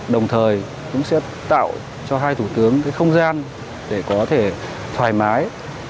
đồng thời cũng sẽ tạo cho hai thủ tướng không gian để có thể thoải mái